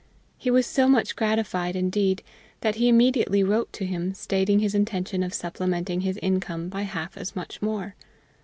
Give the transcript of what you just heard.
He was so much gratified, indeed, that he immediately wrote to him stating his intention of supplementing his income by half as much more.